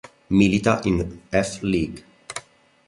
Milita in F. League.